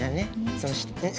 そしてあ！